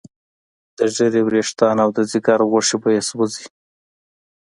د ږیرې ویښتان او د ځیګر غوښې به یې سوځي.